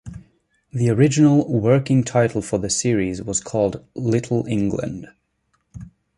The original working title for the series was called "Little England".